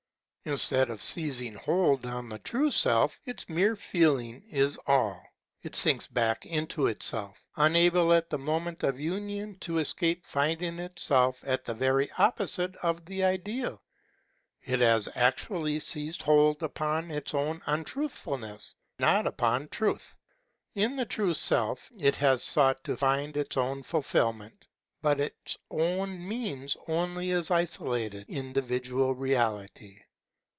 Instead of seizing hold on the true Self, its mere feeling is all. It sinks back into itself. Unable at the moment of union to escape finding itself as the very opposite of the ideal, it has actually seized hold upon its own untruthfulness, not upon the truth. In the true Self it has sought to find its own fulfilment ; but its own means only its isolated individual reality.